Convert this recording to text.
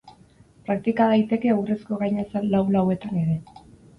Praktika daiteke egurrezko gainazal lau-lauetan ere.